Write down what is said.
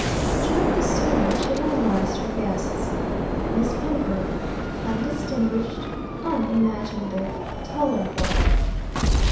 During the sermon she analysed her guests. Miss Pembroke undistinguished, unimaginative, tolerable.